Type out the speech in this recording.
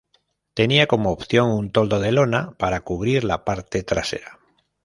Tenía como opción un toldo de lona para cubrir la parte trasera.